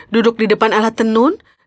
duduk di depan alat tenun